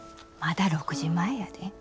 まだ６時前やで。